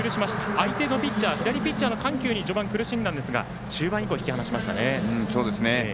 相手の左ピッチャーの緩急に序盤、苦しんだんですが中盤以降、引き離しましたね。